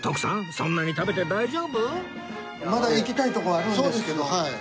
そんなに食べて大丈夫？